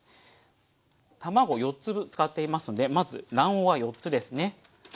卵４つ使っていますのでまず卵黄は４つですね。